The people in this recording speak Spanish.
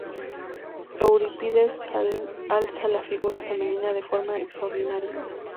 Eurípides alza la figura femenina de forma extraordinaria.